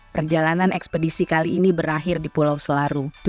perjalanan ekspedisi kali ini berakhir di pulau selarung